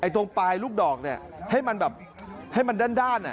ตรงปลายลูกดอกนี่ให้มันแบบด้าน